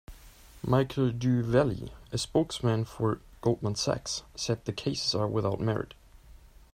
Michael DuVally, a spokesman for Goldman Sachs, said the cases are without merit.